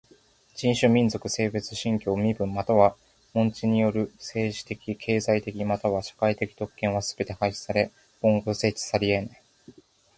人種、民族、性別、信教、身分または門地による政治的経済的または社会的特権はすべて廃止され今後設置されえない。